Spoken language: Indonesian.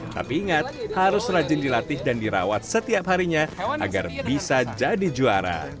tapi ingat harus rajin dilatih dan dirawat setiap harinya agar bisa jadi juara